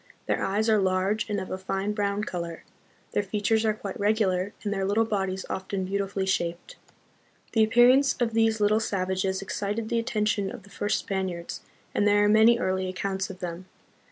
Their eyes are large and of a fine brown color, their fea tures are quite regular, and their little bodies often beau tifully shaped. The appearance of these little savages excited the attention of the first Spaniards, and there are many early accounts of them.